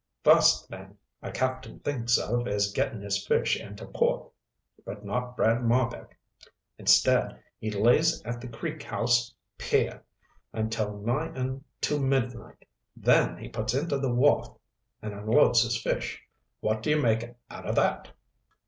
First thing a captain thinks of is getting his fish into port. But not Brad Marbek. Instead, he lays at the Creek House pier until nigh onto midnight. Then he puts into the wharf and unloads his fish. What do you make out of that?"